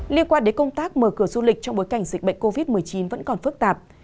liên quan đến công tác mở cửa du lịch trong bối cảnh dịch bệnh covid một mươi chín vẫn còn phức tạp